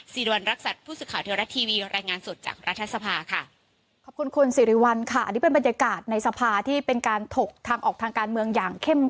สิริวัณรักษัตริย์ผู้สื่อข่าวเทวรัฐทีวีรายงานสดจากรัฐสภาค่ะ